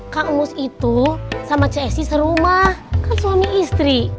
kak emus itu sama ce esy serumah kan suami istri